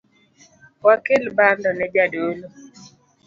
Wakel bando ne jadolo